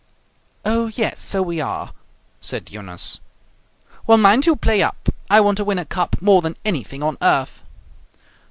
"Oh, yes, so we are!" said Eunice. "Well, mind you play up. I want to win a cup more than anything on earth."